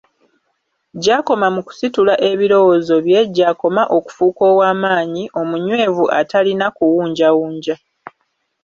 Gy'akoma mu kusitula ebirowoozo bye, gy'akoma okufuuka ow'amaanyi, omunywevu atalina kuwunjawunja.